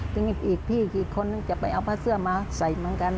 ก็หยิบอีกพี่ผู้เคยไปเอาผ้าเสื้อมาใส่เหมือนกัน